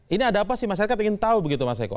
ini ada apa sih masyarakat ingin tahu begitu mas eko